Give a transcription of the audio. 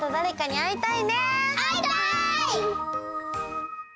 あいたい！